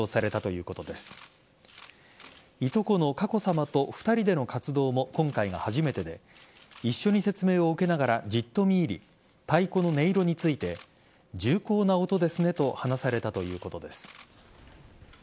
いとこの佳子さまと２人での活動も今回が初めてで一緒に説明を受けながらじっと見入り太鼓の音色について重厚な音ですねと話されたということです。